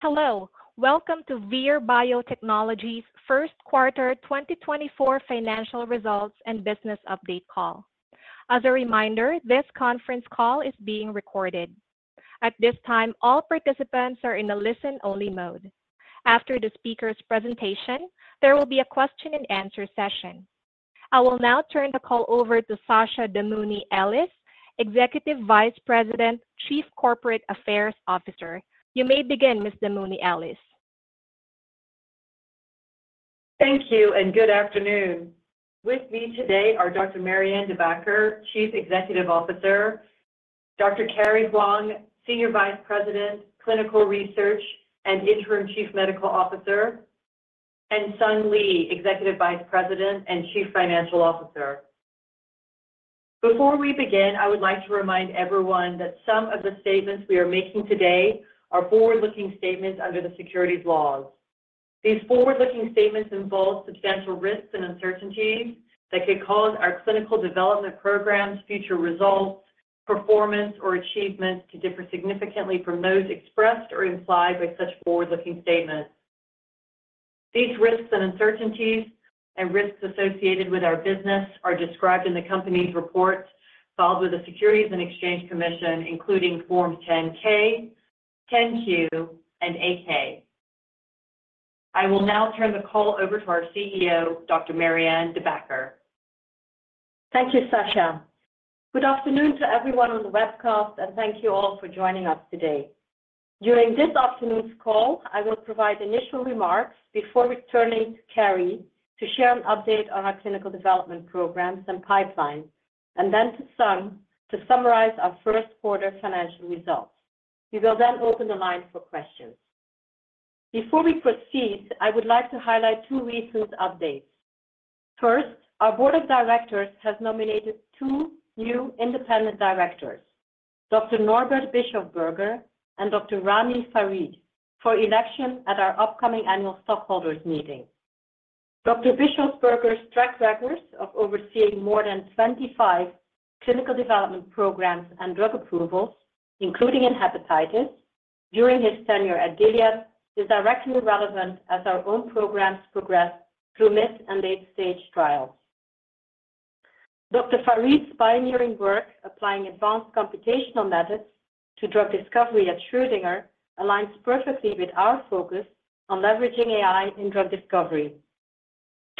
Hello, welcome to Vir Biotechnology's First Quarter 2024 Financial Results and Business Update Call. As a reminder, this conference call is being recorded. At this time, all participants are in a listen-only mode. After the speaker's presentation, there will be a question and answer session. I will now turn the call over to Sasha Damouni Ellis, Executive Vice President, Chief Corporate Affairs Officer. You may begin, Ms. Damouni Ellis. Thank you, and good afternoon. With me today are Dr. Marianne De Backer, Chief Executive Officer; Dr. Carey Hwang, Senior Vice President, Clinical Research and Interim Chief Medical Officer; and Sung Lee, Executive Vice President and Chief Financial Officer. Before we begin, I would like to remind everyone that some of the statements we are making today are forward-looking statements under the securities laws. These forward-looking statements involve substantial risks and uncertainties that could cause our clinical development programs, future results, performance, or achievements to differ significantly from those expressed or implied by such forward-looking statements. These risks and uncertainties and risks associated with our business are described in the company's reports filed with the Securities and Exchange Commission, including Forms 10-K, 10-Q, and 8-K. I will now turn the call over to our CEO, Dr. Marianne De Backer. Thank you, Sasha. Good afternoon to everyone on the webcast, and thank you all for joining us today. During this afternoon's call, I will provide initial remarks before returning to Carey to share an update on our clinical development programs and pipeline, and then to Sung, to summarize our first quarter financial results. We will then open the line for questions. Before we proceed, I would like to highlight two recent updates. First, our board of directors has nominated two new independent directors, Dr. Norbert Bischofberger and Dr. Rami Farid, for election at our upcoming annual stockholders meeting. Dr. Bischofberger's track records of overseeing more than 25 clinical development programs and drug approvals, including in hepatitis, during his tenure at Gilead, is directly relevant as our own programs progress through mid- and late-stage trials. Dr. Farid's pioneering work applying advanced computational methods to drug discovery at Schrödinger aligns perfectly with our focus on leveraging AI in drug discovery.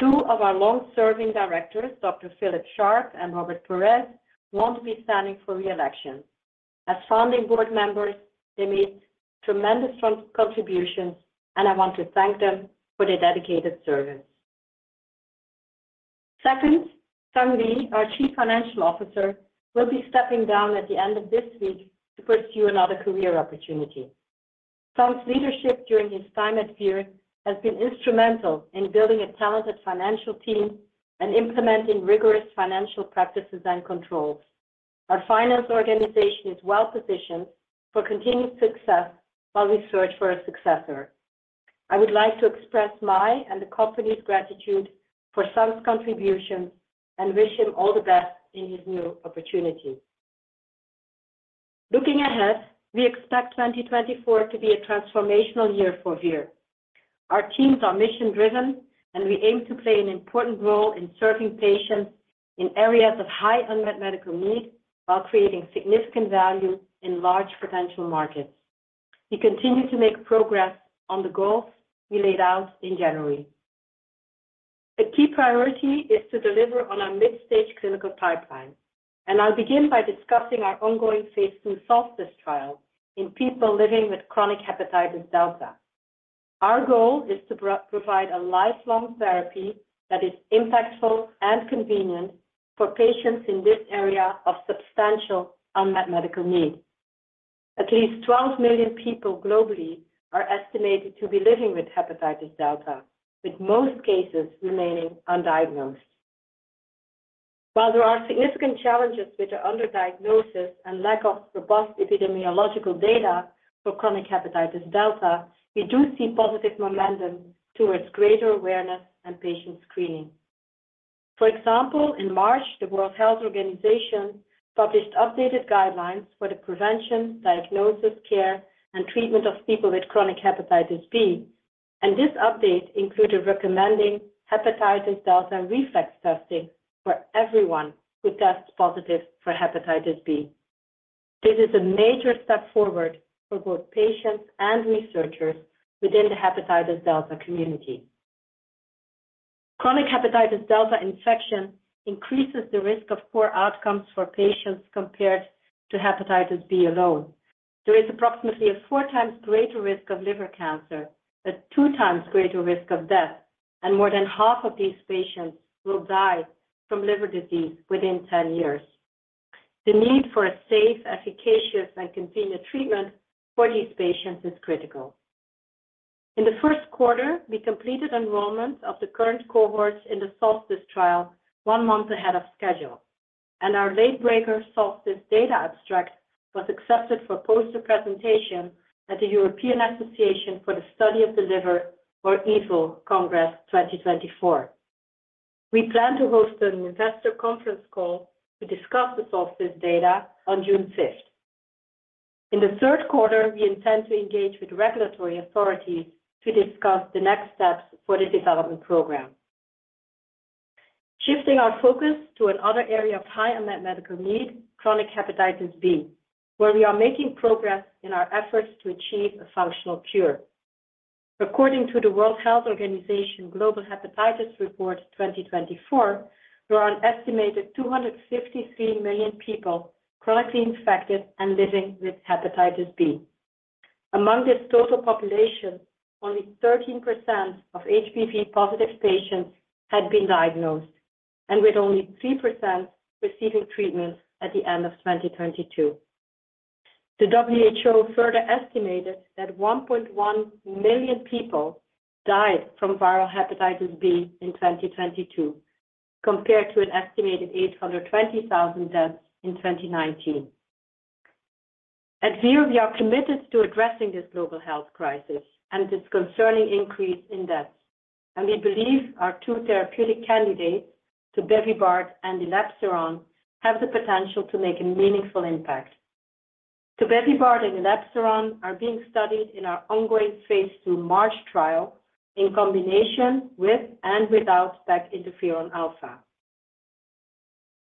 Two of our long-serving directors, Drs. Philip Sharp and Robert Perez, won't be standing for re-election. As founding board members, they made tremendous contributions, and I want to thank them for their dedicated service. Second, Sung Lee, our Chief Financial Officer, will be stepping down at the end of this week to pursue another career opportunity. Sung's leadership during his time at Vir has been instrumental in building a talented financial team and implementing rigorous financial practices and controls. Our finance organization is well positioned for continued success while we search for a successor. I would like to express my and the company's gratitude for Sung's contributions and wish him all the best in his new opportunity. Looking ahead, we expect 2024 to be a transformational year for Vir. Our teams are mission-driven, and we aim to play an important role in serving patients in areas of high unmet medical need while creating significant value in large potential markets. We continue to make progress on the goals we laid out in January. A key priority is to deliver on our mid-stage clinical pipeline, and I'll begin by discussing our ongoing phase II SOLSTICE trial in people living with chronic hepatitis delta. Our goal is to provide a lifelong therapy that is impactful and convenient for patients in this area of substantial unmet medical need. At least 12 million people globally are estimated to be living with hepatitis delta, with most cases remaining undiagnosed. While there are significant challenges with underdiagnosis and lack of robust epidemiological data for chronic hepatitis delta, we do see positive momentum towards greater awareness and patient screening. For example, in March, the World Health Organization published updated guidelines for the prevention, diagnosis, care, and treatment of people with chronic hepatitis B, and this update included recommending hepatitis delta reflex testing for everyone who tests positive for hepatitis B. This is a major step forward for both patients and researchers within the hepatitis delta community. Chronic hepatitis delta infection increases the risk of poor outcomes for patients compared to hepatitis B alone. There is approximately a 4 times greater risk of liver cancer, a 2 times greater risk of death, and more than half of these patients will die from liver disease within 10 years. The need for a safe, efficacious, and convenient treatment for these patients is critical. In the first quarter, we completed enrollment of the current cohorts in the SOLSTICE trial one month ahead of schedule, and our late breaker SOLSTICE data abstract was accepted for poster presentation at the European Association for the Study of the Liver, or EASL Congress 2024. We plan to host an investor conference call to discuss the SOLSTICE data on June fifth. In the third quarter, we intend to engage with regulatory authorities to discuss the next steps for the development program. Shifting our focus to another area of high unmet medical need, chronic hepatitis B, where we are making progress in our efforts to achieve a functional cure. According to the World Health Organization Global Hepatitis Report 2024, there are an estimated 253 million people chronically infected and living with hepatitis B. Among this total population, only 13% of HBV-positive patients had been diagnosed, and with only 3% receiving treatment at the end of 2022. The WHO further estimated that 1.1 million people died from viral hepatitis B in 2022, compared to an estimated 820,000 deaths in 2019. At Vir, we are committed to addressing this global health crisis and its concerning increase in deaths, and we believe our two therapeutic candidates, tobevibart and elebsiran, have the potential to make a meaningful impact. Tobevibart and elebsiran are being studied in our ongoing phase II MARCH trial in combination with and without peginterferon alfa.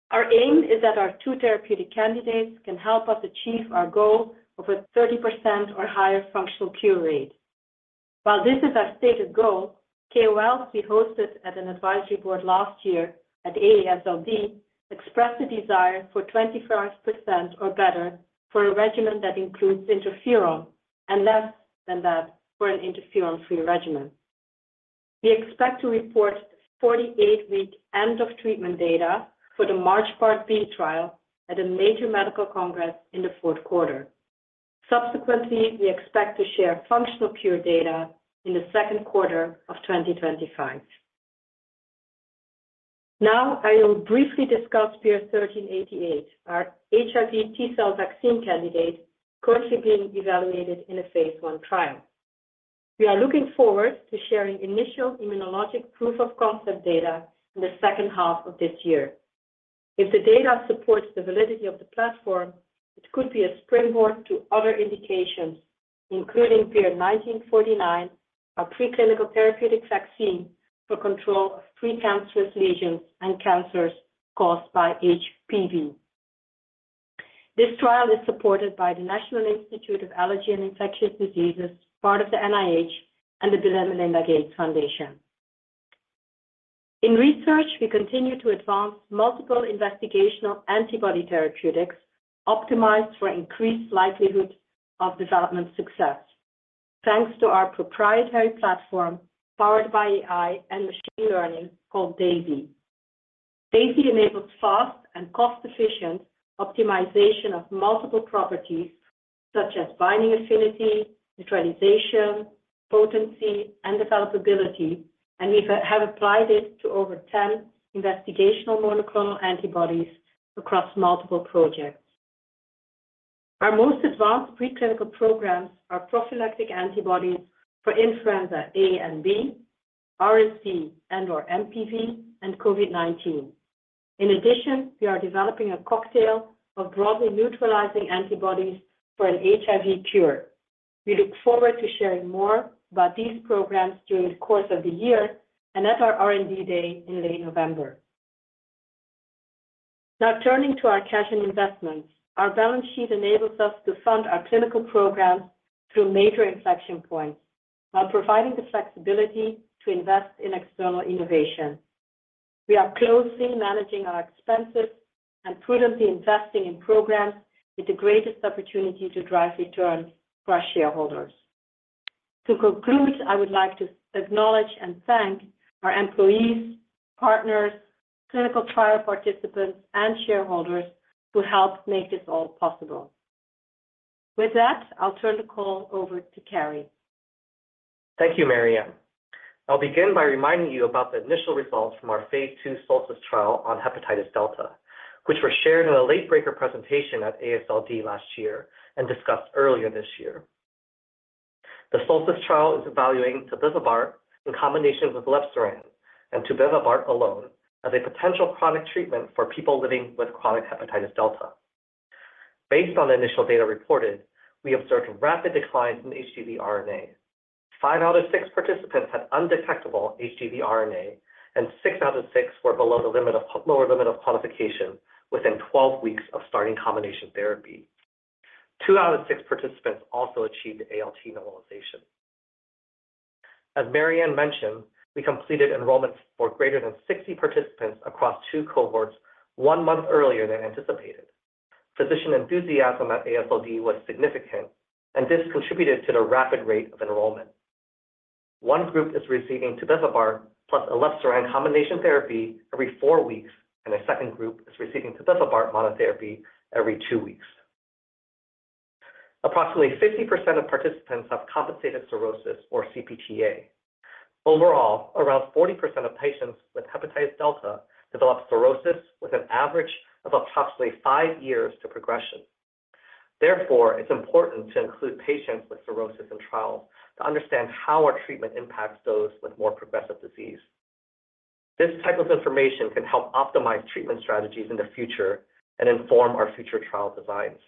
Our aim is that our two therapeutic candidates can help us achieve our goal of a 30% or higher functional cure rate. While this is our stated goal, KOLs we hosted at an advisory board last year at AASLD expressed a desire for 25% or better for a regimen that includes interferon and less than that for an interferon-free regimen. We expect to report 48-week end of treatment data for the MARCH Part B trial at a major medical congress in the fourth quarter. Subsequently, we expect to share functional cure data in the second quarter of 2025. Now, I will briefly discuss VIR-1388, our HIV T-cell vaccine candidate, currently being evaluated in a phase I trial. We are looking forward to sharing initial immunologic proof of concept data in the second half of this year. If the data supports the validity of the platform, it could be a springboard to other indications, including VIR-1949, our preclinical therapeutic vaccine for control of precancerous lesions and cancers caused by HPV. This trial is supported by the National Institute of Allergy and Infectious Diseases, part of the NIH and the Bill and Melinda Gates Foundation. In research, we continue to advance multiple investigational antibody therapeutics optimized for increased likelihood of development success, thanks to our proprietary platform powered by AI and machine learning called Daisy. Daisy enables fast and cost-efficient optimization of multiple properties such as binding affinity, neutralization, potency, and developability, and we have applied it to over 10 investigational monoclonal antibodies across multiple projects. Our most advanced preclinical programs are prophylactic antibodies for influenza A and B, RSV and/or MPV, and COVID-19. In addition, we are developing a cocktail of broadly neutralizing antibodies for an HIV cure. We look forward to sharing more about these programs during the course of the year and at our R&D Day in late November. Now, turning to our cash and investments. Our balance sheet enables us to fund our clinical programs through major inflection points while providing the flexibility to invest in external innovation. We are closely managing our expenses and prudently investing in programs with the greatest opportunity to drive returns for our shareholders. To conclude, I would like to acknowledge and thank our employees, partners, clinical trial participants, and shareholders who helped make this all possible. With that, I'll turn the call over to Carey. Thank you, Marianne. I'll begin by reminding you about the initial results from our phase II SOLSTICE trial on hepatitis delta, which were shared in a late breaker presentation at AASLD last year and discussed earlier this year. The SOLSTICE trial is evaluating tobevibart in combination with elebsiran and tobevibart alone as a potential chronic treatment for people living with chronic hepatitis delta. Based on the initial data reported, we observed rapid declines in HDV RNA. 5 out of 6 participants had undetectable HDV RNA, and 6 out of 6 were below the lower limit of quantification within 12 weeks of starting combination therapy. 2 out of 6 participants also achieved ALT normalization. As Marianne mentioned, we completed enrollments for greater than 60 participants across two cohorts, one month earlier than anticipated. Physician enthusiasm at AASLD was significant, and this contributed to the rapid rate of enrollment. One group is receiving tobevibart plus elebsiran combination therapy every 4 weeks, and a second group is receiving tobevibart monotherapy every 2 weeks. Approximately 50% of participants have compensated cirrhosis, or CPT-A. Overall, around 40% of patients with hepatitis delta develop cirrhosis, with an average of approximately 5 years to progression. Therefore, it's important to include patients with cirrhosis in trials to understand how our treatment impacts those with more progressive disease. This type of information can help optimize treatment strategies in the future and inform our future trial designs.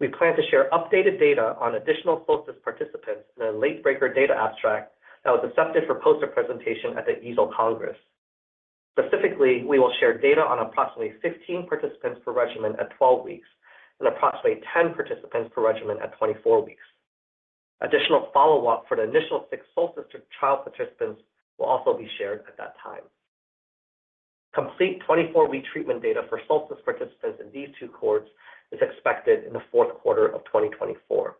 We plan to share updated data on additional SOLSTICE participants in a late-breaker data abstract that was accepted for poster presentation at the EASL Congress. Specifically, we will share data on approximately 15 participants per regimen at 12 weeks, and approximately 10 participants per regimen at 24 weeks. Additional follow-up for the initial six SOLSTICE trial participants will also be shared at that time. Complete 24-week treatment data for SOLSTICE participants in these two cohorts is expected in the fourth quarter of 2024.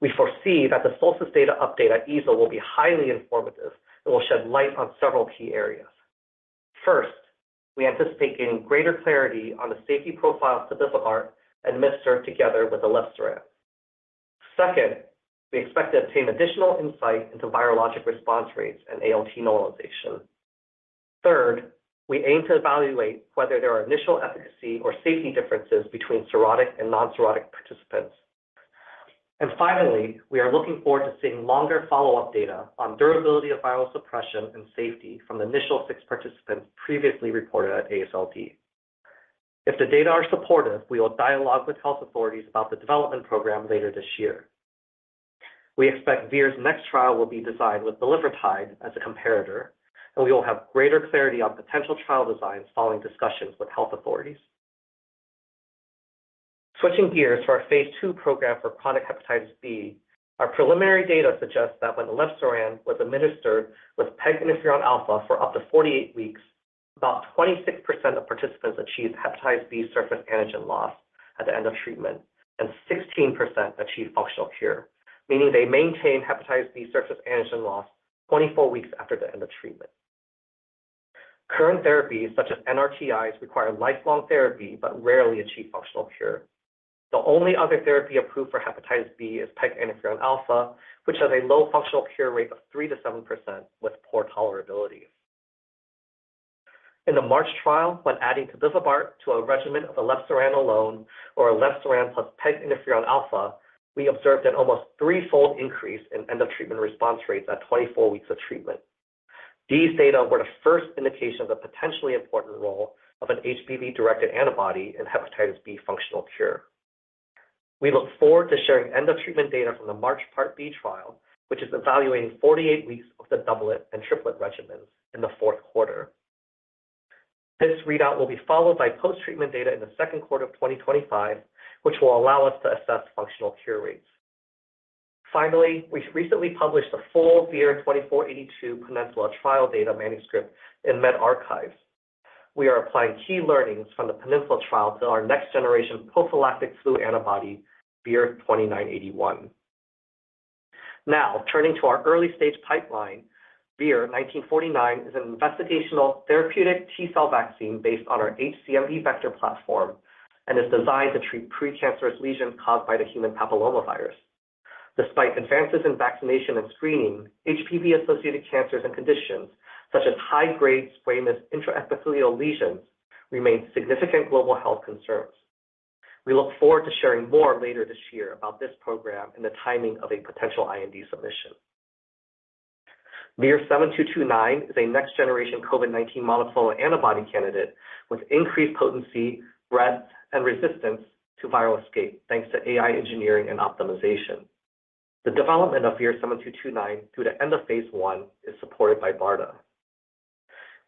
We foresee that the SOLSTICE data update at EASL will be highly informative and will shed light on several key areas. First, we anticipate gaining greater clarity on the safety profile of tobevibart administered together with elebsiran. Second, we expect to obtain additional insight into virologic response rates and ALT normalization. Third, we aim to evaluate whether there are initial efficacy or safety differences between cirrhotic and non-cirrhotic participants. And finally, we are looking forward to seeing longer follow-up data on durability of viral suppression and safety from the initial six participants previously reported at AASLD. If the data are supportive, we will dialogue with health authorities about the development program later this year. We expect Vir's next trial will be designed with bulevirtide as a comparator, and we will have greater clarity on potential trial designs following discussions with health authorities. Switching gears to our phase II program for chronic hepatitis B, our preliminary data suggests that when elebsiran was administered with peginterferon alfa for up to 48 weeks, about 26% of participants achieved hepatitis B surface antigen loss at the end of treatment, and 16% achieved functional cure, meaning they maintained hepatitis B surface antigen loss 24 weeks after the end of treatment. Current therapies, such as NRTIs, require lifelong therapy but rarely achieve functional cure. The only other therapy approved for hepatitis B is peginterferon alfa, which has a low functional cure rate of 3%-7% with poor tolerability. In the MARCH trial, when adding tobevibart to a regimen of elebsiran alone or elebsiran plus peginterferon alfa, we observed an almost threefold increase in end-of-treatment response rates at 24 weeks of treatment. These data were the first indication of the potentially important role of an HBV-directed antibody in hepatitis B functional cure. We look forward to sharing end-of-treatment data from the MARCH Part B trial, which is evaluating 48 weeks of the doublet and triplet regimens in the fourth quarter. This readout will be followed by post-treatment data in the second quarter of 2025, which will allow us to assess functional cure rates. Finally, we've recently published the full VIR-2482 PENINSULA trial data manuscript in medRxiv. We are applying key learnings from the PENINSULA trial to our next-generation prophylactic flu antibody, VIR-2981. Now, turning to our early-stage pipeline, VIR-1949 is an investigational therapeutic T-cell vaccine based on our HCMV vector platform and is designed to treat precancerous lesions caused by the human papillomavirus. Despite advances in vaccination and screening, HPV-associated cancers and conditions, such as high-grade squamous intraepithelial lesions, remain significant global health concerns. We look forward to sharing more later this year about this program and the timing of a potential IND submission. VIR-7229 is a next-generation COVID-19 monoclonal antibody candidate with increased potency, breadth, and resistance to viral escape, thanks to AI engineering and optimization. The development of VIR-7229 through the end of phase I is supported by BARDA.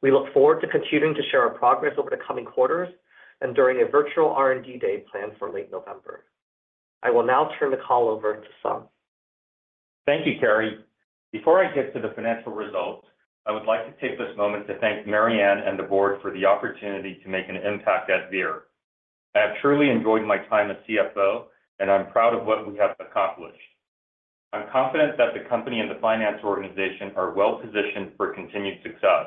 We look forward to continuing to share our progress over the coming quarters and during a virtual R&D Day planned for late November. I will now turn the call over to Sung. Thank you, Carey. Before I get to the financial results, I would like to take this moment to thank Marianne and the board for the opportunity to make an impact at Vir. I have truly enjoyed my time as CFO, and I'm proud of what we have accomplished. I'm confident that the company and the finance organization are well positioned for continued success.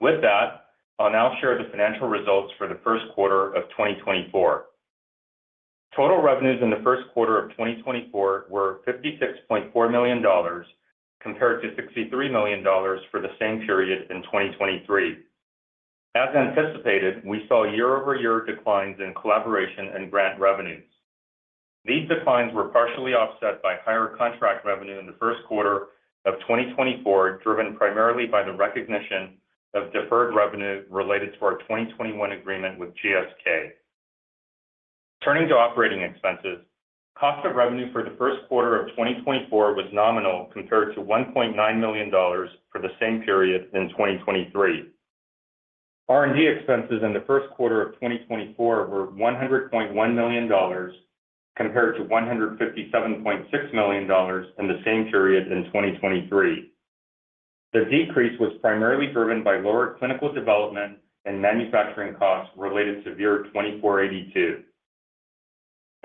With that, I'll now share the financial results for the first quarter of 2024. Total revenues in the first quarter of 2024 were $56.4 million, compared to $63 million for the same period in 2023. As anticipated, we saw year-over-year declines in collaboration and grant revenues. These declines were partially offset by higher contract revenue in the first quarter of 2024, driven primarily by the recognition of deferred revenue related to our 2021 agreement with GSK. Turning to operating expenses, cost of revenue for the first quarter of 2024 was nominal compared to $1.9 million for the same period in 2023. R&D expenses in the first quarter of 2024 were $100.1 million, compared to $157.6 million in the same period in 2023. The decrease was primarily driven by lower clinical development and manufacturing costs related to VIR-2482.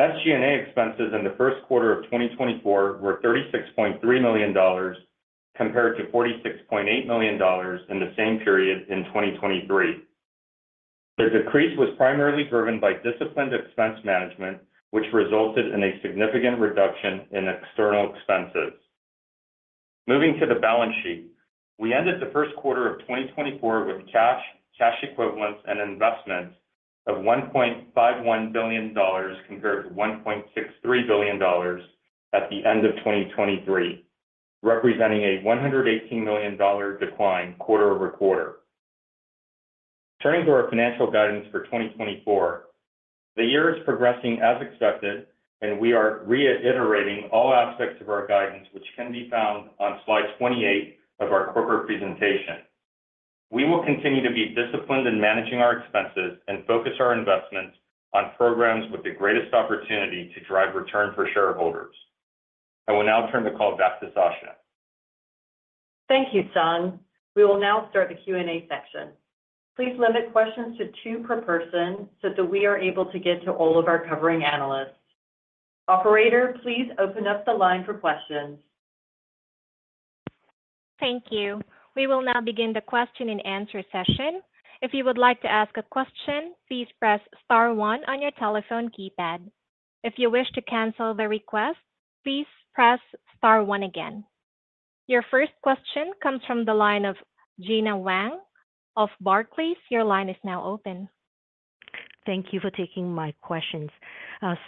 SG&A expenses in the first quarter of 2024 were $36.3 million, compared to $46.8 million in the same period in 2023. The decrease was primarily driven by disciplined expense management, which resulted in a significant reduction in external expenses... Moving to the balance sheet. We ended the first quarter of 2024 with cash, cash equivalents, and investments of $1.51 billion, compared to $1.63 billion at the end of 2023, representing a $118 million decline quarter-over-quarter. Turning to our financial guidance for 2024, the year is progressing as expected, and we are reiterating all aspects of our guidance, which can be found on slide 28 of our corporate presentation. We will continue to be disciplined in managing our expenses and focus our investments on programs with the greatest opportunity to drive return for shareholders. I will now turn the call back to Sasha. Thank you, Sung. We will now start the Q&A section. Please limit questions to two per person so that we are able to get to all of our covering analysts. Operator, please open up the line for questions. Thank you. We will now begin the question and answer session. If you would like to ask a question, please press Star one on your telephone keypad. If you wish to cancel the request, please press Star one again. Your first question comes from the line of Gena Wang of Barclays. Your line is now open. Thank you for taking my questions.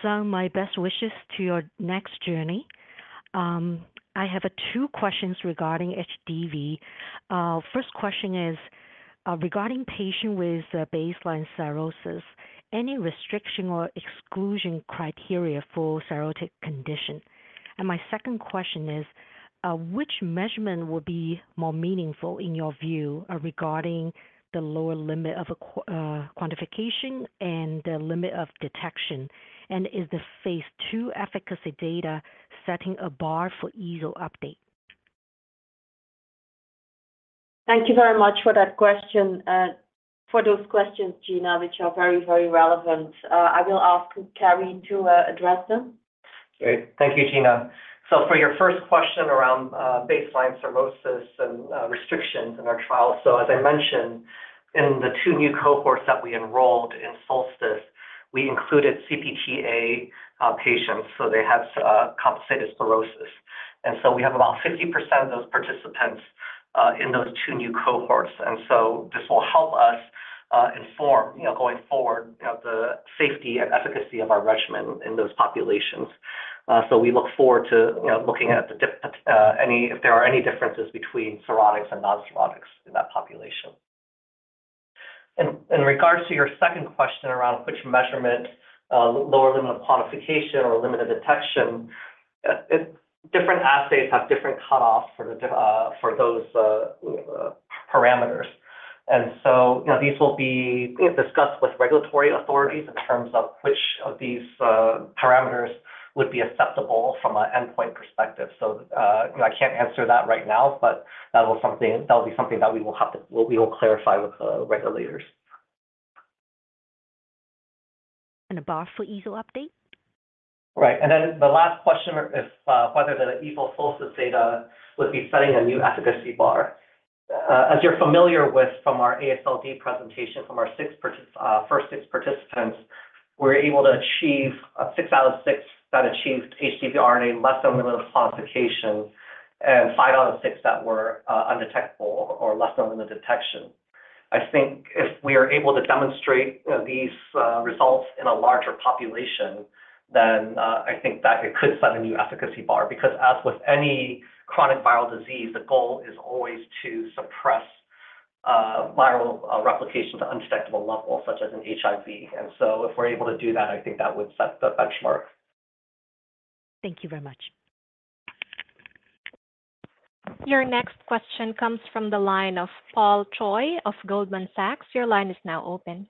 So my best wishes to your next journey. I have two questions regarding HDV. First question is regarding patient with baseline cirrhosis. Any restriction or exclusion criteria for cirrhotic condition? And my second question is which measurement would be more meaningful in your view regarding the lower limit of quantification and the limit of detection? And is the phase two efficacy data setting a bar for EASL update? Thank you very much for that question, for those questions, Gena, which are very, very relevant. I will ask Carey to address them. Great. Thank you, Gena. So for your first question around baseline cirrhosis and restrictions in our trial. So as I mentioned, in the two new cohorts that we enrolled in SOLSTICE, we included CPT-A patients, so they have compensated cirrhosis. And so we have about 50% of those participants in those two new cohorts. And so this will help us inform, you know, going forward, you know, the safety and efficacy of our regimen in those populations. So we look forward to, you know, looking at the differences, if there are any differences between cirrhotics and non-cirrhotics in that population. And in regards to your second question around which measurement, lower limit of quantification or limit of detection, it different assays have different cutoffs for those parameters. And so, you know, these will be, you know, discussed with regulatory authorities in terms of which of these parameters would be acceptable from an endpoint perspective. So, I can't answer that right now, but that was something-- that will be something that we will have to-- we will clarify with the regulators. A bar for EASL update? Right. And then the last question is whether the EASL SOLSTICE data would be setting a new efficacy bar. As you're familiar with from our AASLD presentation, from our first six participants, we're able to achieve a 6 out of 6 that achieved HDV RNA less than limit of quantification, and 5 out of 6 that were undetectable or less than limit of detection. I think if we are able to demonstrate, you know, these results in a larger population, then I think that it could set a new efficacy bar. Because as with any chronic viral disease, the goal is always to suppress viral replication to undetectable level, such as in HIV. And so if we're able to do that, I think that would set the benchmark. Thank you very much. Your next question comes from the line of Paul Choi of Goldman Sachs. Your line is now open.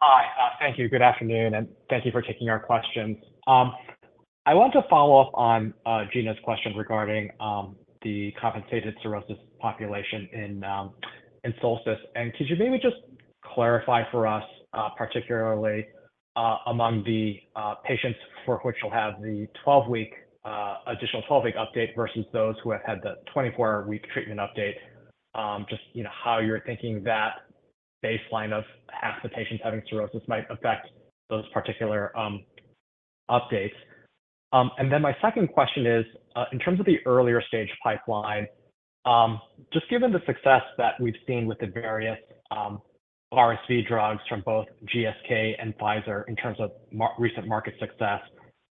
Hi. Thank you. Good afternoon, and thank you for taking our questions. I want to follow up on Gena's question regarding the compensated cirrhosis population in SOLSTICE. And could you maybe just clarify for us, particularly, among the patients for which you'll have the 12-week additional 12-week update versus those who have had the 24-week treatment update, just, you know, how you're thinking that baseline of half the patients having cirrhosis might affect those particular updates? And then my second question is, in terms of the earlier stage pipeline, just given the success that we've seen with the various RSV drugs from both GSK and Pfizer in terms of recent market success,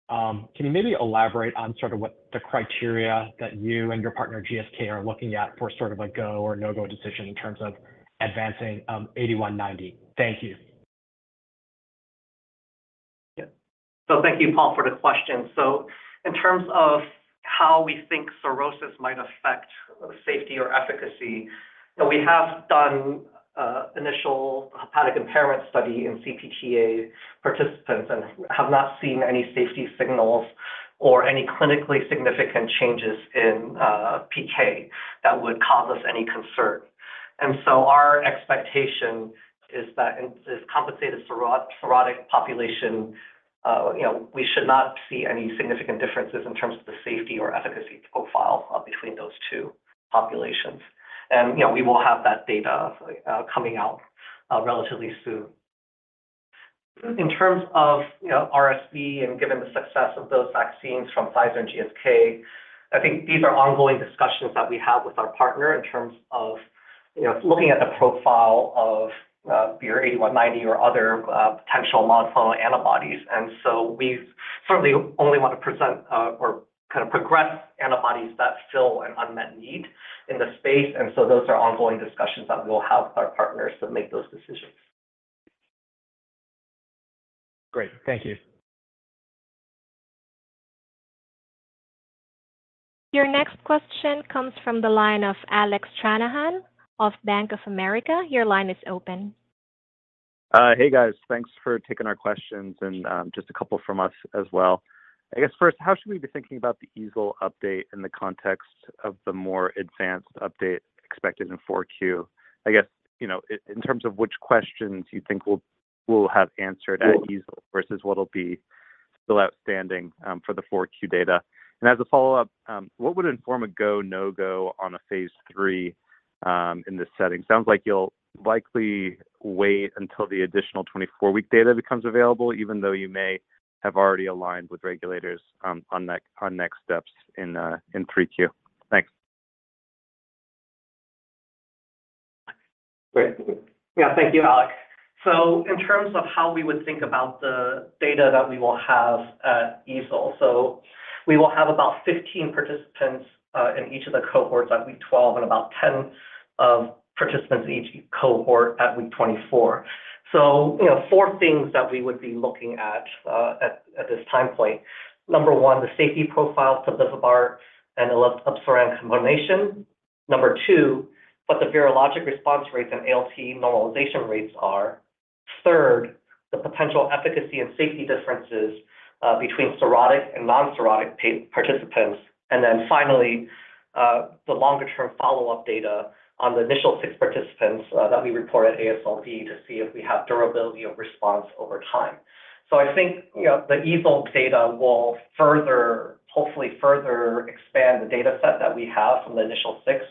can you maybe elaborate on sort of what the criteria that you and your partner, GSK, are looking at for sort of a go or no-go decision in terms of advancing VIR-8190? Thank you. Yeah. So thank you, Paul, for the question. So in terms of how we think cirrhosis might affect safety or efficacy, so we have done initial hepatic impairment study in CPT-A participants and have not seen any safety signals or any clinically significant changes in PK that would cause us any concern. And so our expectation is that in this compensated cirrhotic population, you know, we should not see any significant differences in terms of the safety or efficacy profile between those two populations. And, you know, we will have that data coming out relatively soon. In terms of, you know, RSV and given the success of those vaccines from Pfizer and GSK, I think these are ongoing discussions that we have with our partner in terms of, you know, looking at the profile of VIR-8190 or other potential monoclonal antibodies. And so we certainly only want to present or kind of progress antibodies that fill an unmet need in the space, and so those are ongoing discussions that we'll have with our partners to make those decisions. Great. Thank you. Your next question comes from the line of Alec Stranahan of Bank of America. Your line is open. Hey, guys. Thanks for taking our questions, and just a couple from us as well. I guess first, how should we be thinking about the EASL update in the context of the more advanced update expected in 4Q? I guess, you know, in terms of which questions you think we'll have answered at EASL versus what'll be still outstanding for the 4Q data. And as a follow-up, what would inform a go/no-go on a phase III in this setting? Sounds like you'll likely wait until the additional 24-week data becomes available, even though you may have already aligned with regulators on next steps in 3Q. Thanks. Great. Yeah, thank you, Alec. So in terms of how we would think about the data that we will have at EASL, so we will have about 15 participants in each of the cohorts at week 12, and about 10 participants in each cohort at week 24. So, you know, 4 things that we would be looking at at this time point. Number 1, the safety profile for the tobevibart and elebsiran combination. Number 2, what the virologic response rates and ALT normalization rates are. Third, the potential efficacy and safety differences between cirrhotic and non-cirrhotic participants. And then finally, the longer term follow-up data on the initial 6 participants that we reported AASLD to see if we have durability of response over time. So I think, you know, the EASL data will further, hopefully further expand the data set that we have from the initial 6,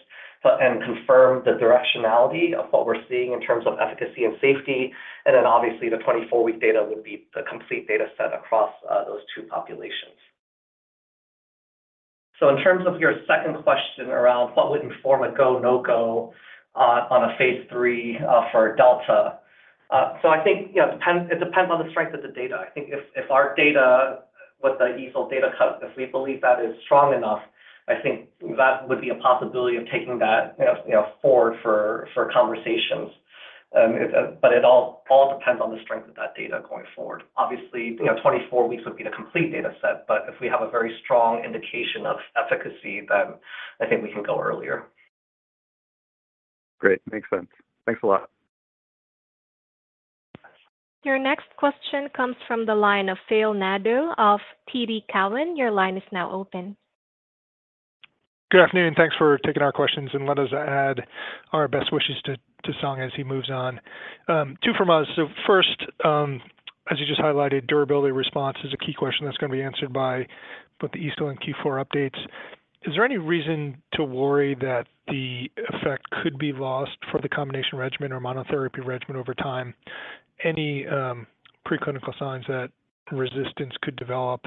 but and confirm the directionality of what we're seeing in terms of efficacy and safety. And then obviously, the 24-week data would be the complete data set across those two populations. So in terms of your second question around what would inform a go, no-go on a phase 3 for delta? So I think, you know, it depends, it depends on the strength of the data. I think if, if our data, with the EASL data cut, if we believe that is strong enough, I think that would be a possibility of taking that, you know, you know, forward for, for conversations. But it all, all depends on the strength of that data going forward. Obviously, you know, 24 weeks would be the complete data set, but if we have a very strong indication of efficacy, then I think we can go earlier. Great. Makes sense. Thanks a lot. Your next question comes from the line of Philip Nadeau of TD Cowen. Your line is now open. Good afternoon, thanks for taking our questions, and let us add our best wishes to, to Sung as he moves on. Two from us. So first, as you just highlighted, durability response is a key question that's going to be answered by both the EASL and Q4 updates. Is there any reason to worry that the effect could be lost for the combination regimen or monotherapy regimen over time? Any preclinical signs that resistance could develop,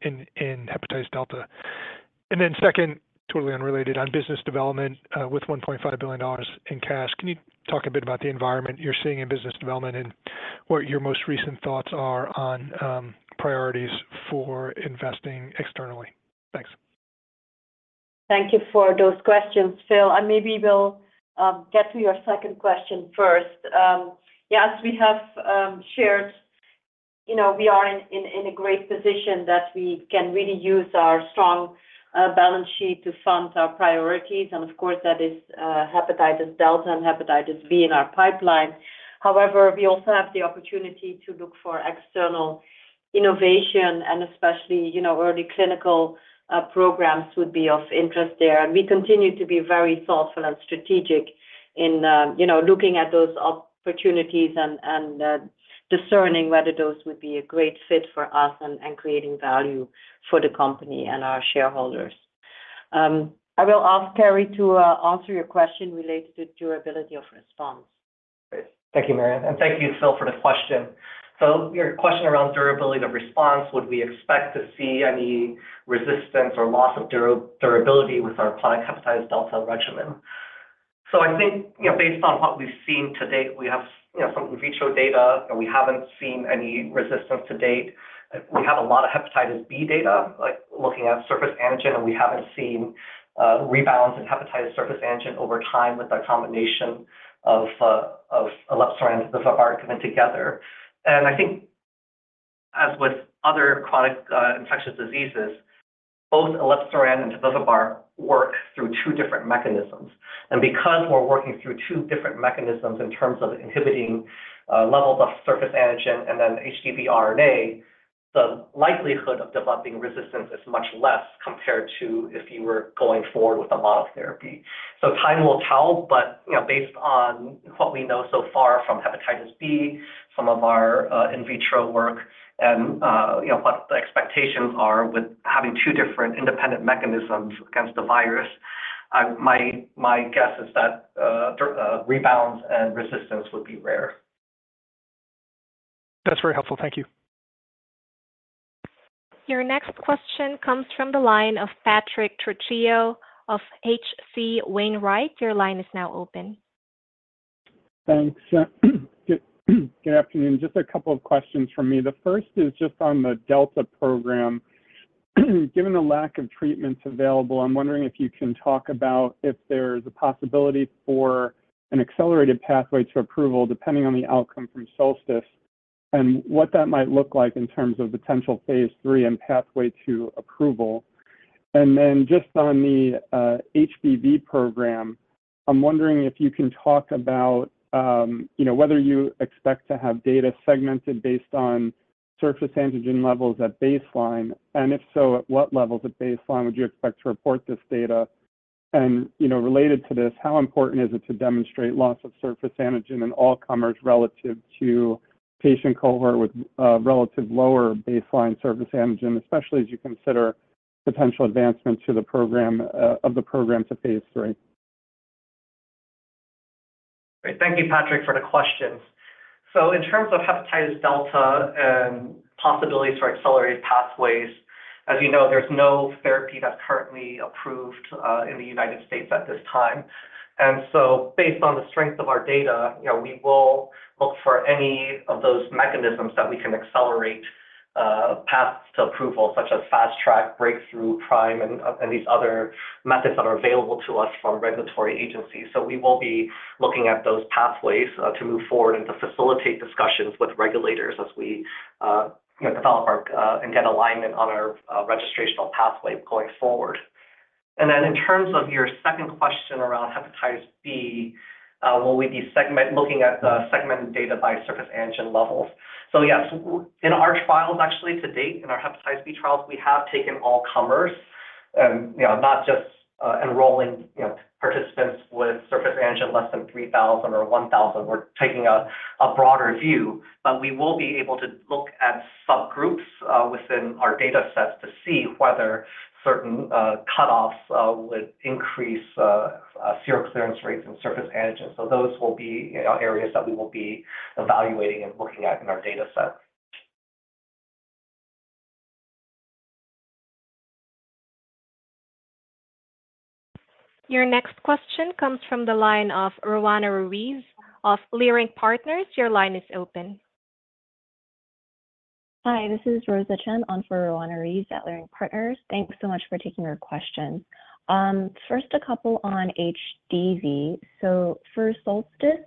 in, in hepatitis delta? And then second, totally unrelated, on business development, with $1.5 billion in cash, can you talk a bit about the environment you're seeing in business development and what your most recent thoughts are on, priorities for investing externally? Thanks. Thank you for those questions, Phil, and maybe we'll get to your second question first. Yes, we have shared, you know, we are in a great position that we can really use our strong balance sheet to fund our priorities, and of course, that is hepatitis delta and hepatitis B in our pipeline. However, we also have the opportunity to look for external innovation, and especially, you know, early clinical programs would be of interest there. And we continue to be very thoughtful and strategic in you know looking at those opportunities and discerning whether those would be a great fit for us and creating value for the company and our shareholders. I will ask Carey to answer your question related to durability of response. Thank you, Marianne, and thank you, Phil, for the question. So your question around durability of response, would we expect to see any resistance or loss of durability with our chronic hepatitis delta regimen? So I think, you know, based on what we've seen to date, we have, you know, some in vitro data, and we haven't seen any resistance to date. We have a lot of hepatitis B data, like looking at surface antigen, and we haven't seen rebound in hepatitis surface antigen over time with a combination of elebsiran and tobevibart together. And I think as with other chronic infectious diseases, both elebsiran and tobevibart work through two different mechanisms. And because we're working through two different mechanisms in terms of inhibiting levels of surface antigen and then HBV RNA, the likelihood of developing resistance is much less compared to if you were going forward with a monotherapy. So time will tell, but, you know, based on what we know so far from hepatitis B, some of our in vitro work and, you know, what the expectations are with having two different independent mechanisms against the virus. My guess is that rebounds and resistance would be rare. That's very helpful. Thank you. Your next question comes from the line of Patrick Trucchio of H.C. Wainwright. Your line is now open. Thanks. Good afternoon. Just a couple of questions from me. The first is just on the Delta program. Given the lack of treatments available, I'm wondering if you can talk about if there's a possibility for an accelerated pathway to approval, depending on the outcome from SOLSTICE, and what that might look like in terms of potential phase III and pathway to approval. And then just on the HBV program, I'm wondering if you can talk about, you know, whether you expect to have data segmented based on surface antigen levels at baseline, and if so, at what levels at baseline would you expect to report this data? You know, related to this, how important is it to demonstrate loss of surface antigen in all comers relative to patient cohort with relatively lower baseline surface antigen, especially as you consider potential advancement to the program of the program to phase III? Great. Thank you, Patrick, for the questions. So in terms of hepatitis delta and possibilities for accelerated pathways, as you know, there's no therapy that's currently approved in the United States at this time. And so based on the strength of our data, you know, we will look for any of those mechanisms that we can accelerate paths to approval, such as Fast Track, Breakthrough, Prime, and these other methods that are available to us from regulatory agencies. So we will be looking at those pathways to move forward and to facilitate discussions with regulators as we, you know, develop our and get alignment on our registrational pathway going forward. And then in terms of your second question around hepatitis B, will we be looking at the segmented data by surface antigen levels? So yes, in our trials, actually to date, in our hepatitis B trials, we have taken all comers, you know, not just enrolling, you know, participants with surface antigen less than 3,000 or 1,000. We're taking a broader view, but we will be able to look at subgroups within our data sets to see whether certain cutoffs would increase serum clearance rates and surface antigens. So those will be, you know, areas that we will be evaluating and looking at in our data set. Your next question comes from the line of Roanna Ruiz of Leerink Partners. Your line is open. Hi, this is Rosa Chun on for Roanna Ruiz at Leerink Partners. Thanks so much for taking our question. First, a couple on HDV. So for Solstice,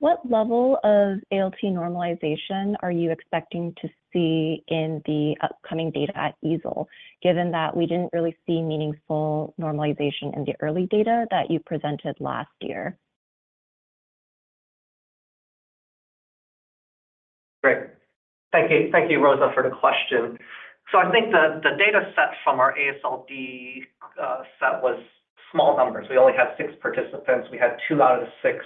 what level of ALT normalization are you expecting to see in the upcoming data at EASL, given that we didn't really see meaningful normalization in the early data that you presented last year? Great. Thank you. Thank you, Rosa, for the question. So I think the data set from our AASLD set was small numbers. We only had 6 participants. We had 2 out of the 6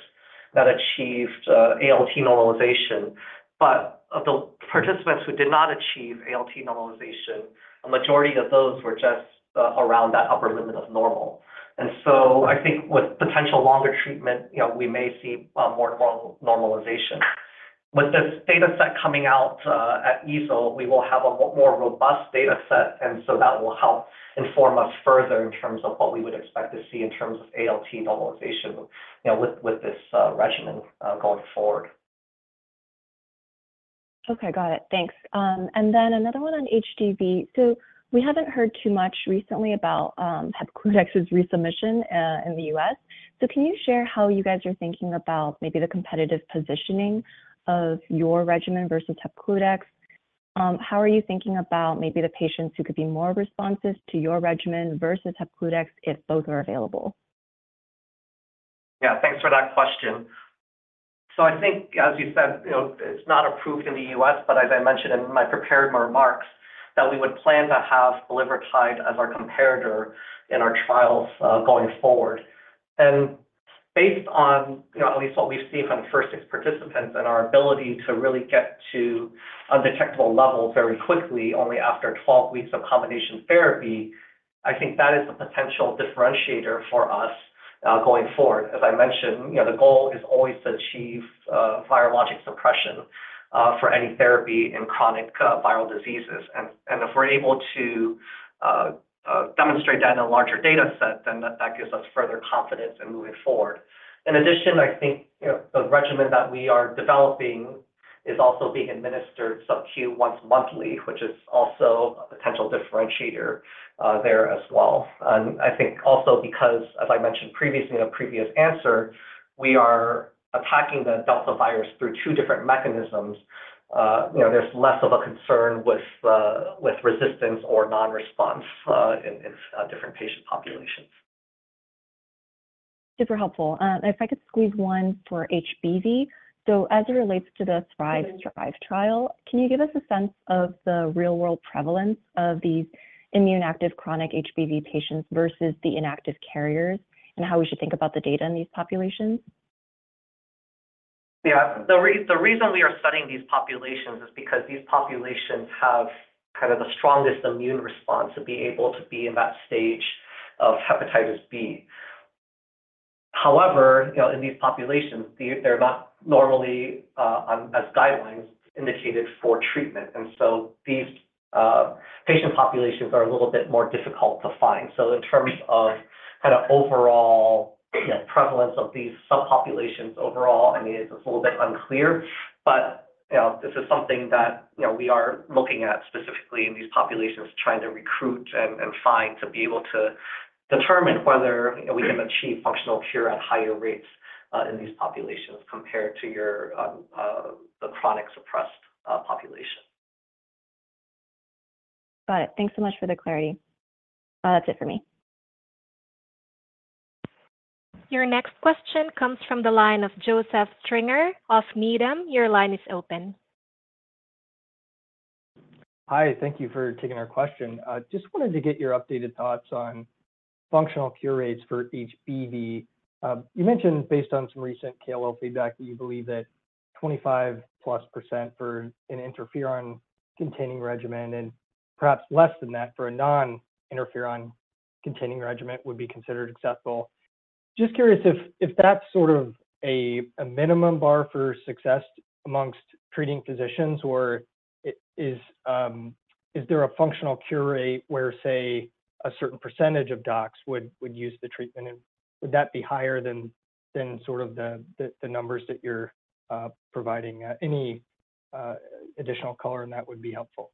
that achieved ALT normalization. But of the participants who did not achieve ALT normalization, a majority of those were just around that upper limit of normal. And so I think with potential longer treatment, you know, we may see more normalization. With this data set coming out at EASL, we will have a more robust data set, and so that will help inform us further in terms of what we would expect to see in terms of ALT normalization, you know, with this regimen going forward. Okay, got it. Thanks. And then another one on HDV. So we haven't heard too much recently about, Hepcludex's resubmission, in the U.S. So can you share how you guys are thinking about maybe the competitive positioning of your regimen versus Hepcludex? How are you thinking about maybe the patients who could be more responsive to your regimen versus Hepcludex if both are available? Yeah, thanks for that question. So I think, as you said, you know, it's not approved in the U.S., but as I mentioned in my prepared remarks, that we would plan to have bulevirtide as our comparator in our trials, going forward. And based on, you know, at least what we've seen from the first six participants and our ability to really get to undetectable levels very quickly, only after 12 weeks of combination therapy, I think that is a potential differentiator for us, going forward. As I mentioned, you know, the goal is always to achieve virologic suppression for any therapy in chronic viral diseases. And, and if we're able to demonstrate that in a larger data set, then that, that gives us further confidence in moving forward. In addition, I think, you know, the regimen that we are developing is also being administered subQ once monthly, which is also a potential differentiator, there as well. And I think also because, as I mentioned previously in a previous answer, we are attacking the Delta virus through two different mechanisms, you know, there's less of a concern with, with resistance or non-response, in, in, different patient populations. Super helpful. If I could squeeze one for HBV. So as it relates to the THRIVE trial, can you give us a sense of the real-world prevalence of these immune-active chronic HBV patients versus the inactive carriers, and how we should think about the data in these populations?... Yeah, the reason we are studying these populations is because these populations have kind of the strongest immune response to be able to be in that stage of hepatitis B. However, you know, in these populations, they, they're not normally, as guidelines indicated for treatment, and so these, patient populations are a little bit more difficult to find. So in terms of kind of overall, you know, prevalence of these subpopulations overall, I mean, it's a little bit unclear, but, you know, this is something that, you know, we are looking at specifically in these populations, trying to recruit and find to be able to determine whether, you know, we can achieve functional cure at higher rates, in these populations compared to your, the chronic suppressed, population. Got it. Thanks so much for the clarity. That's it for me. Your next question comes from the line of Joseph Stringer of Needham. Your line is open. Hi, thank you for taking our question. I just wanted to get your updated thoughts on functional cure rates for HBV. You mentioned based on some recent KOL feedback, that you believe that 25%+ for an interferon-containing regimen, and perhaps less than that for a non-interferon-containing regimen would be considered acceptable. Just curious if that's sort of a minimum bar for success amongst treating physicians, or is there a functional cure rate where, say, a certain percentage of docs would use the treatment, and would that be higher than the numbers that you're providing? Any additional color on that would be helpful.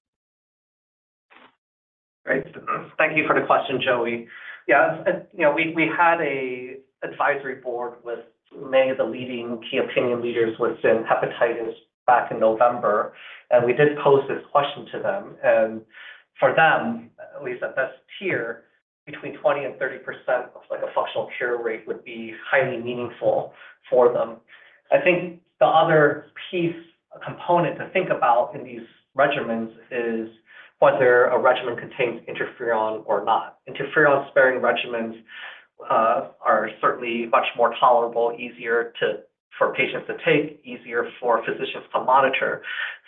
Great. Thank you for the question, Joey. Yeah, as you know, we had an advisory board with many of the leading key opinion leaders within hepatitis B back in November, and we did pose this question to them. And for them, at least at this tier, between 20%-30% of, like, a functional cure rate would be highly meaningful for them. I think the other piece, component to think about in these regimens is whether a regimen contains interferon or not. Interferon-sparing regimens are certainly much more tolerable, easier for patients to take, easier for physicians to monitor.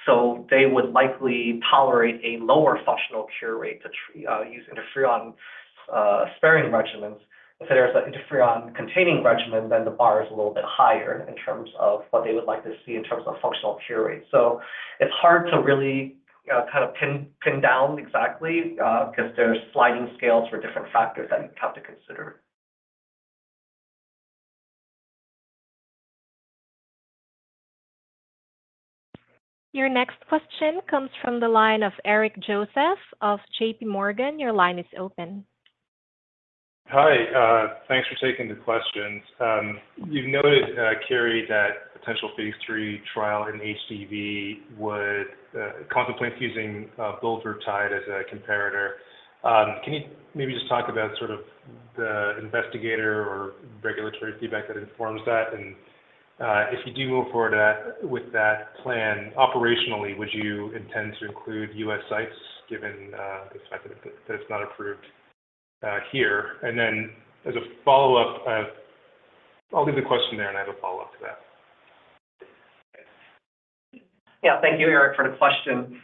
So they would likely tolerate a lower functional cure rate to use interferon-sparing regimens. If there's an interferon-containing regimen, then the bar is a little bit higher in terms of what they would like to see in terms of functional cure rate. So it's hard to really, kind of pin down exactly, 'cause there's sliding scales for different factors that you have to consider. Your next question comes from the line of Eric Joseph of J.P. Morgan. Your line is open. Hi, thanks for taking the questions. You've noted, Carey, that potential phase 3 trial in HDV would contemplate using bulevirtide as a comparator. Can you maybe just talk about sort of the investigator or regulatory feedback that informs that? And, if you do move forward with that plan operationally, would you intend to include U.S. sites, given the fact that it's not approved here? And then as a follow-up, I'll leave the question there, and I have a follow-up to that. Yeah. Thank you, Eric, for the question.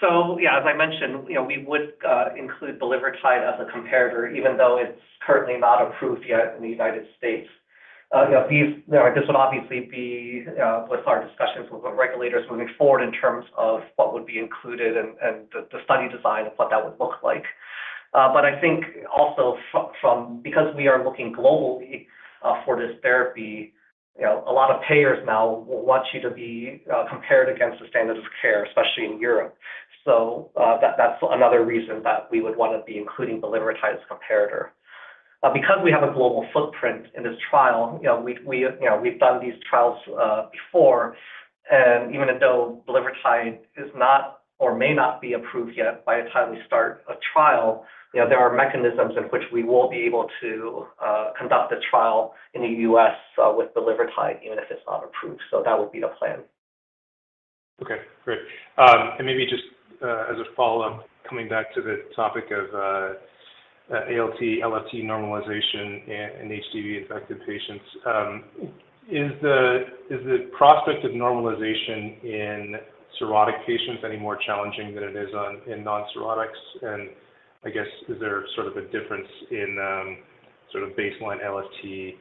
So yeah, as I mentioned, you know, we would include bulevirtide as a comparator, even though it's currently not approved yet in the United States. You know, these, you know, this would obviously be with our discussions with the regulators moving forward in terms of what would be included and the study design and what that would look like. But I think also from, because we are looking globally for this therapy, you know, a lot of payers now will want you to be compared against the standards of care, especially in Europe. So that's another reason that we would want to be including bulevirtide as comparator. Because we have a global footprint in this trial, you know, we, we, you know, we've done these trials, before, and even though bulevirtide is not or may not be approved yet by the time we start a trial, you know, there are mechanisms in which we will be able to, conduct the trial in the U.S., with bulevirtide, even if it's not approved. So that would be the plan. Okay, great. And maybe just, as a follow-up, coming back to the topic of, ALT, AST normalization in, in HDV-infected patients. Is the, is the prospect of normalization in cirrhotic patients any more challenging than it is on, in non-cirrhotics? And I guess, is there sort of a difference in, sort of baseline AST,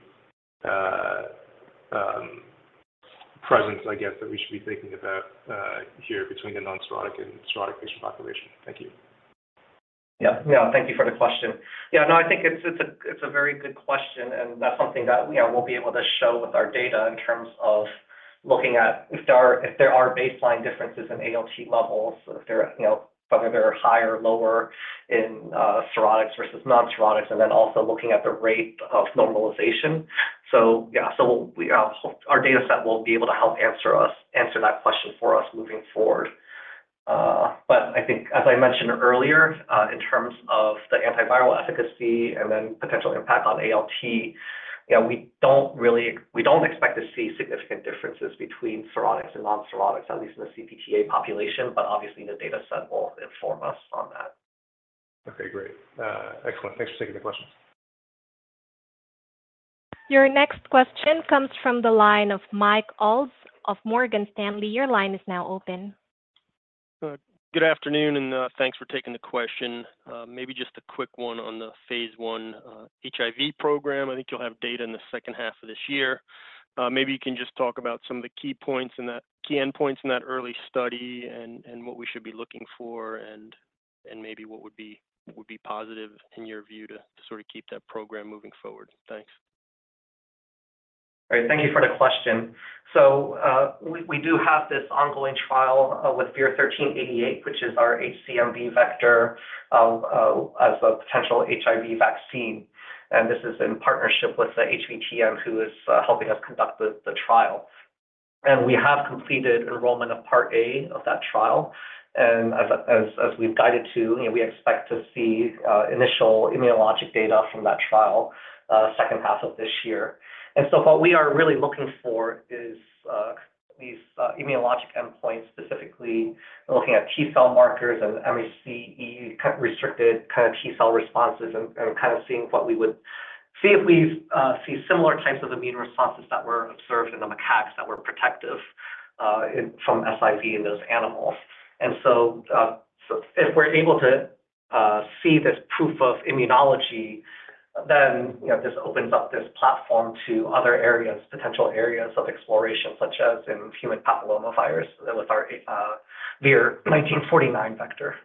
presence, I guess, that we should be thinking about, here between the non-cirrhotic and cirrhotic patient population? Thank you. Yeah. Yeah, thank you for the question. Yeah, no, I think it's a, it's a very good question, and that's something that, you know, we'll be able to show with our data in terms of looking at if there are, if there are baseline differences in ALT levels or if they're, you know, whether they're higher or lower in cirrhotics versus non-cirrhotics, and then also looking at the rate of normalization. So yeah, so our data set will be able to help answer that question for us moving forward. But I think, as I mentioned earlier, in terms of the antiviral efficacy and then potential impact on ALT, you know, we don't expect to see significant differences between cirrhotics and non-cirrhotics, at least in the CPT-A population, but obviously, the data set will inform us on that. Okay, great. Excellent. Thanks for taking the question. Your next question comes from the line of Michael Ulz of Morgan Stanley. Your line is now open. Good afternoon, and thanks for taking the question. Maybe just a quick one on the phase 1 HIV program. I think you'll have data in the second half of this year. Maybe you can just talk about some of the key points in that key endpoints in that early study and what we should be looking for, and maybe what would be positive in your view to sort of keep that program moving forward. Thanks. All right. Thank you for the question. So, we do have this ongoing trial with VIR-1388, which is our HCMV vector, as a potential HIV vaccine, and this is in partnership with the HVTN, who is helping us conduct the trial. And we have completed enrollment of part A of that trial. And as we've guided to, you know, we expect to see initial immunologic data from that trial, second half of this year. And so what we are really looking for is these immunologic endpoints, specifically looking at T cell markers and MHC-E restricted kind of T cell responses and kind of seeing what we would see if we see similar types of immune responses that were observed in the macaques that were protective from SIV in those animals. So if we're able to see this proof of immunology, then, you know, this opens up this platform to other areas, potential areas of exploration, such as in human papillomavirus with our VIR-1949 vector.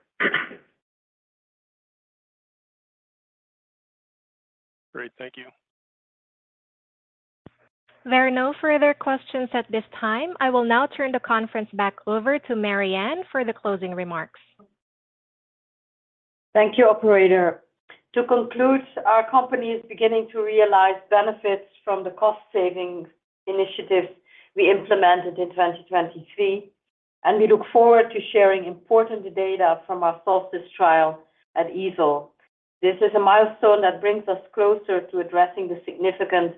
Great. Thank you. There are no further questions at this time. I will now turn the conference back over to Marianne for the closing remarks. Thank you, operator. To conclude, our company is beginning to realize benefits from the cost savings initiatives we implemented in 2023, and we look forward to sharing important data from our SOLSTICE trial at EASL. This is a milestone that brings us closer to addressing the significant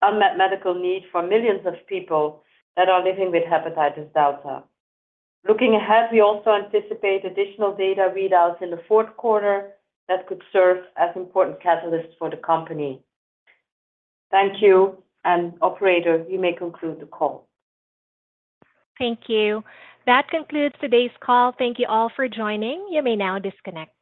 unmet medical need for millions of people that are living with hepatitis delta. Looking ahead, we also anticipate additional data readouts in the fourth quarter that could serve as important catalysts for the company. Thank you, and operator, you may conclude the call. Thank you. That concludes today's call. Thank you all for joining. You may now disconnect.